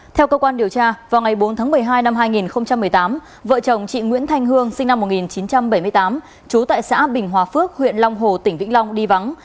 theo cơ quan điều tra vào ngày bốn tháng một mươi hai năm hai nghìn một mươi tám vợ chồng chị nguyễn thanh hương sinh năm một nghìn chín trăm bảy mươi tám trú tại xã bình hòa phước huyện long hồ tỉnh vĩnh long đi vắng